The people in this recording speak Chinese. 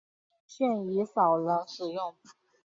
现已少人使用。